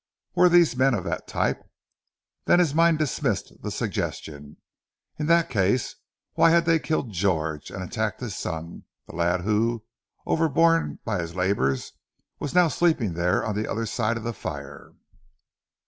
Were these men of that type? Then his mind dismissed the suggestion. In that case why had they killed George, and attacked his son, the lad who, overborne by his labours, was now sleeping there on the other side of the fire?